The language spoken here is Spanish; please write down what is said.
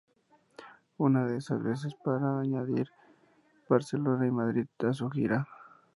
Una de esas veces para añadir Barcelona y Madrid a su gira.